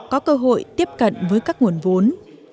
có cơ hội tiếp cận với các nguồn lực